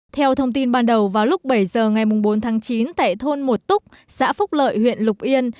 theo thông tin ban đầu vào lúc bảy giờ ngày bốn tháng chín tại thôn một túc xã phúc lợi huyện lục yên